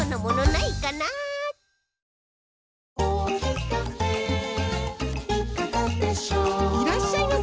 いらっしゃいませ！